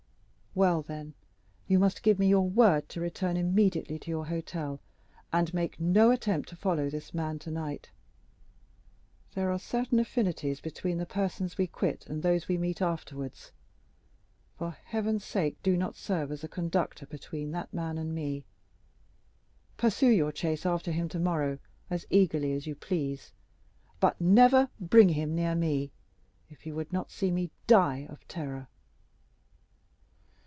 "Well, then, you must give me your word to return immediately to your hotel, and make no attempt to follow this man tonight. There are certain affinities between the persons we quit and those we meet afterwards. For heaven's sake, do not serve as a conductor between that man and me. Pursue your chase after him tomorrow as eagerly as you please; but never bring him near me, if you would not see me die of terror.